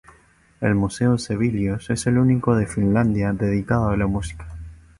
El Museo Sibelius es el único de Finlandia dedicado a la música.